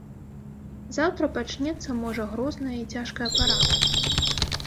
Заўтра пачнецца можа грозная і цяжкая пара.